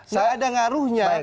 saya ada ngaruhnya